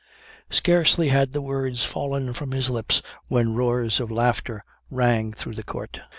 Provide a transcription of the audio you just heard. Scarcely had the words fallen from his lips, when roars of laughter rang through the court.